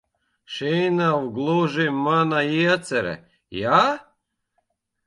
Šī nav gluži mana iecere, ja?